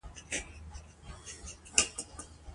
مور د کورنۍ غړو ته د پاکو اوبو د څښلو اهمیت پوهه ورکوي.